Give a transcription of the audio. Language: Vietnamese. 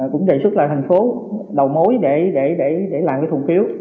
cũng đề xuất là thành phố đầu mối để làm thùng phiếu